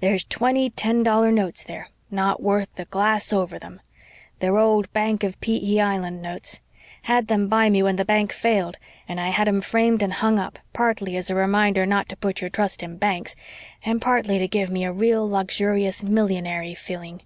"There's twenty ten dollar notes there, not worth the glass over them. They're old Bank of P. E. Island notes. Had them by me when the bank failed, and I had 'em framed and hung up, partly as a reminder not to put your trust in banks, and partly to give me a real luxurious, millionairy feeling.